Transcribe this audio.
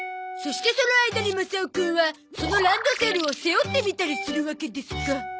そしてその間にマサオくんはそのランドセルを背負ってみたりするわけですか。